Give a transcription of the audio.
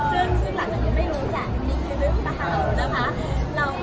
ซึ่งหลังจากนี้ไม่รู้จักอันนี้คือมหาวิทยาลัยศาสตร์